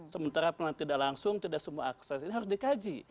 sementara tidak langsung tidak semua akses ini harus dikaji